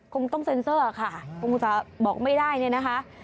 คงต้องเซ็นเซอร์ค่ะคงจะบอกไม่ได้เนี่ยนะคะ